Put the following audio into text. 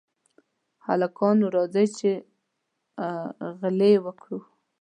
هلکانو! راځئ چې غېلې وکړو.